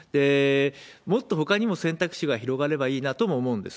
もっとほかにも選択肢が広がればいいなとも思うんです。